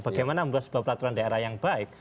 bagaimana membuat sebuah peraturan daerah yang baik